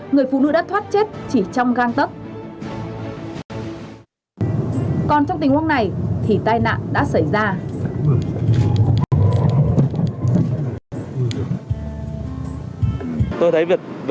người phụ nữ đã thoát chết chỉ trong găng tấc